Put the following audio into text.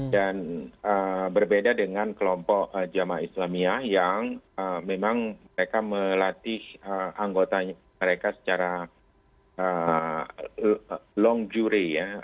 dan berbeda dengan kelompok jamaah islamia yang memang mereka melatih anggota mereka secara long juri